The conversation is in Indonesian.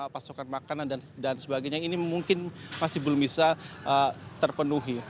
pasokan makanan dan sebagainya ini mungkin masih belum bisa terpenuhi